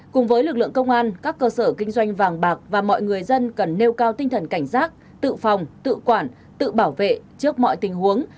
cùng với lực lượng công an các cơ sở kinh doanh vàng bạc và mọi người dân cần nêu cao tinh thần cảnh giác tự phòng tự quản tự bảo vệ trước mọi tình huống